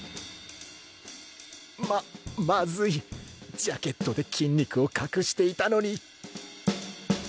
ママズイジャケットで筋肉を隠していたのに